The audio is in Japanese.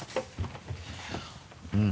うん。